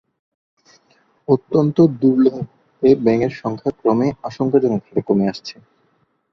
অত্যন্ত দুর্লভ এ ব্যাঙের সংখ্যা ক্রমে আশঙ্কাজনক হারে কমে আসছে।